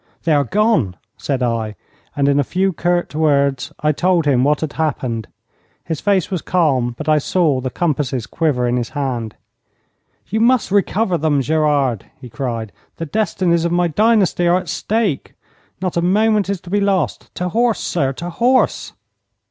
'They are gone!' said I, and in a few curt words I told him what had happened. His face was calm, but I saw the compasses quiver in his hand. 'You must recover them, Gerard!' he cried. 'The destinies of my dynasty are at stake. Not a moment is to be lost! To horse, sir, to horse!'